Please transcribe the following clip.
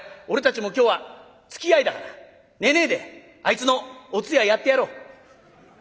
俺たちも今日はつきあいだから寝ねえであいつのお通夜やってやろう」。